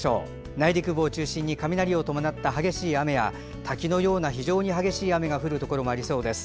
内陸部を中心に雷を伴った激しい雨や滝のような非常に激しい雨が降るところもありそうです。